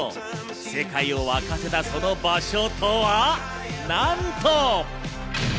世界を沸かせたその場所とは、なんと。